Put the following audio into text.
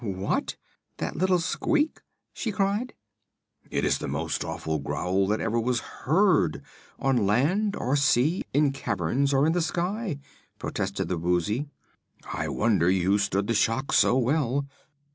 "What, that little squeak?" she cried. "It is the most awful growl that ever was heard, on land or sea, in caverns or in the sky," protested the Woozy. "I wonder you stood the shock so well.